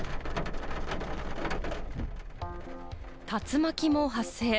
竜巻も発生。